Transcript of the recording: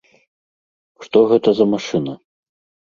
Што гэта за машына?